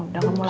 udah kamu lapar